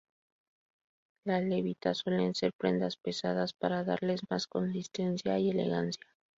Las levitas suelen ser prendas pesadas, para darles más consistencia y elegancia.